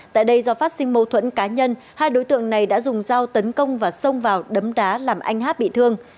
tại đây do phát sinh mâu thuẫn cá nhân hai đối tượng này đã dùng dao tấn công và xông vào đấm đá làm anh hát bị thương